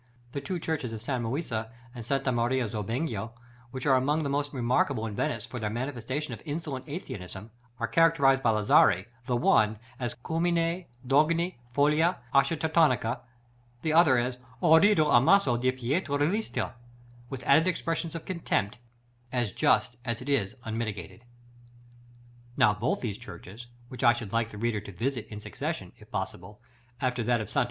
The two churches of San Moisè and Santa Maria Zobenigo, which are among the most remarkable in Venice for their manifestation of insolent atheism, are characterized by Lazari, the one as "culmine d'ogni follia architettonica," the other as "orrido ammasso di pietra d'Istria," with added expressions of contempt, as just as it is unmitigated. § XX. Now both these churches, which I should like the reader to visit in succession, if possible, after that of Sta.